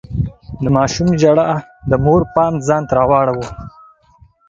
د ماشوم ژړا د مور پام ځان ته راواړاوه.